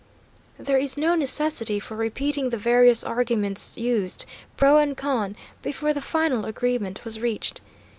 There is no necessity for repeating the various arguments used, pro and con, before the final agreement was reached.